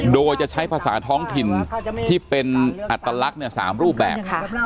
โดยจะใช้ภาษาท้องถิ่นที่เป็นอัตลักษณ์๓รูปแบบ